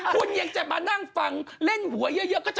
คุณเองจะมานั่งฟังเล่นหัวเยอะก็จะเหลือแต่หอย